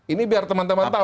ini biar teman teman tahu